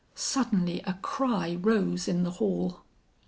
Suddenly a cry rose in the hall.